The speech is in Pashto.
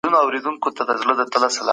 هغه خپل امانت په سمه توګه وسپاره.